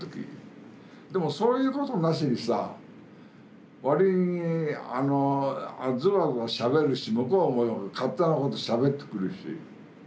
でもそういうことなしにさ割にズバズバしゃべるし向こうも勝手なことしゃべってくるし。